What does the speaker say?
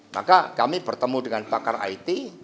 maka kami bertemu dengan pakar it